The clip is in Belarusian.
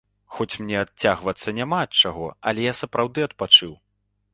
Хоць мне адцягвацца няма ад чаго, але я сапраўды адпачыў.